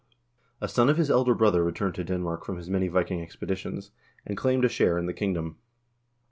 A son of his elder brother returned to Denmark from his many Viking expeditions, and claimed a share in the kingdom.